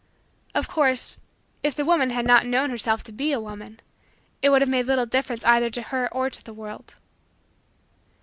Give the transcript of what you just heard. Of course, if the woman had not known herself to be a woman, it would have made little difference either to her or to the world.